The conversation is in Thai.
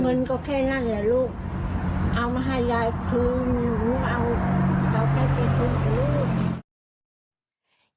เงินก็แค่นั่งเหลือลูกเอามาให้ยายคืนเอาเตาแก้เต็มเตือน